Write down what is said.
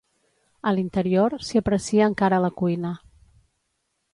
A l’interior s’hi aprecia encara la cuina.